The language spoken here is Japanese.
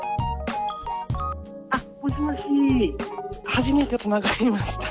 初めてつながりました。